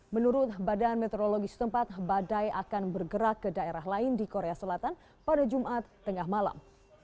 menurut badan meteorologi setempat badai akan bergerak ke daerah lain di korea selatan pada jumat tengah malam